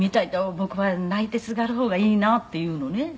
「“僕は泣いてすがる方がいいな”って言うのね」